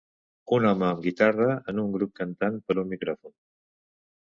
Un home amb guitarra en un grup cantant per un micròfon